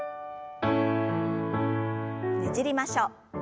ねじりましょう。